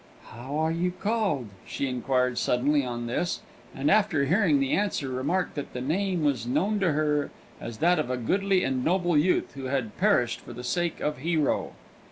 "How are you called?" she inquired suddenly on this; and after hearing the answer, remarked that the name was known to her as that of a goodly and noble youth who had perished for the sake of Hero.